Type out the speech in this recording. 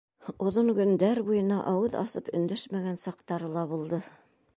Оҙон көндәр буйына ауыҙ асып өндәшмәгән саҡтары ла булды.